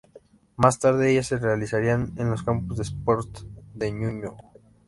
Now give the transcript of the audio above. Más tarde, ellas se realizarían en los Campos de Sports de Ñuñoa.